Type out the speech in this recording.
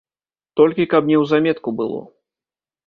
Толькі каб неўзаметку было.